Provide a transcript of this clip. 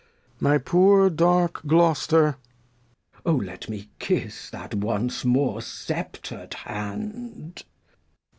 My poor dark Gloster. Glost. O let me kiss that once more sceptred Hand!